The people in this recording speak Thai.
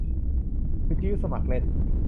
วิทยุสมัครเล่น